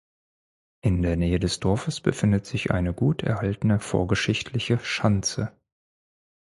In der Nähe des Dorfes befindet sich eine gut erhaltene vorgeschichtliche Schanze.